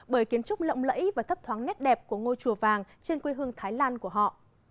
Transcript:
bởi kiến trúc lộng lẫy và thấp thoáng nét đẹp của ngôi chùa vàng trên quê hương thái lan của họ